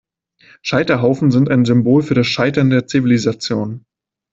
Scheiterhaufen sind ein Symbol für das Scheitern der Zivilisation.